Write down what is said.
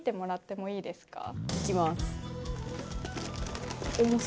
いきます。